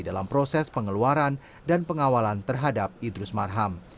dalam proses pengeluaran dan pengawalan terhadap idrus marham